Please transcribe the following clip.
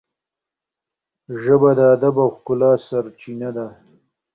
ژبه د ادب او ښکلا سرچینه ده.